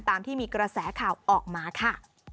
ตามที่มีกระแสข่าวออกมาค่ะ